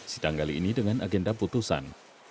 sidang kali ini dengan agenda putusan